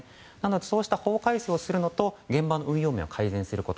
そうした法改正をするのと現場の運用面を改善すること。